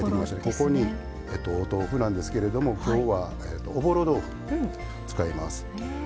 ここにお豆腐なんですけども今日は、おぼろ豆腐、使います。